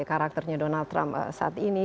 karakternya donald trump saat ini